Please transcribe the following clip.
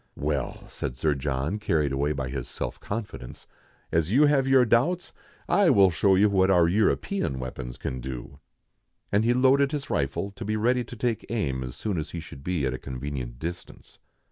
"Well," said Sir John, carried away by his self confi dence, " as you have your doubts, I will show you what our European weapons can do." And he loaded his rifle, to be ready to take aim as soon as he should be at a convenient distance.